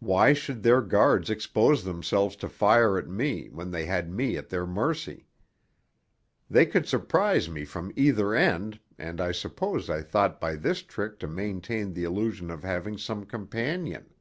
Why should their guards expose themselves to fire at me when they had me at their mercy? They could surprize me from either end, and I suppose I thought by this trick to maintain the illusion of having some companion.